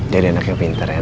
jadi anaknya pintar ya nak